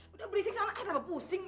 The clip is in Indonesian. udah berisik sangat aku nampak pusing ya